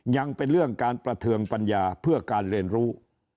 ยังเป็นเรื่องการประเทืองปัญญาเพื่อการเรียนรู้